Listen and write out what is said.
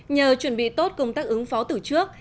nhờ chuẩn bị tốt công tác ứng phó từ trước